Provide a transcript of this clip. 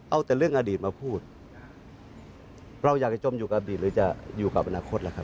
เอาแต่เรื่องอดีตมาพูดเราอยากจะจมอยู่กับอดีตหรือจะอยู่กับอนาคตล่ะครับ